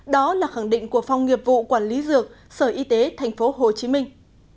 đó là khẳng định của phong nghiệp vụ quản lý dược sở y tế thành phố hồ chí minh